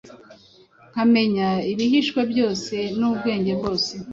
nkamenya ibihishwe byose n’ubwenge bwose,